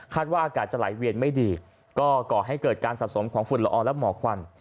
ว่าอากาศจะไหลเวียนไม่ดีก็ก่อให้เกิดการสะสมของฝุ่นละอองและหมอกควัน